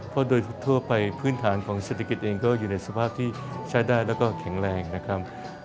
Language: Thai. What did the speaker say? เพราะโดยทั่วไปพื้นฐานของเศรษฐกิจเองก็อยู่ในสภาพที่ใช้ได้แล้วก็แข็งแรงนะครับ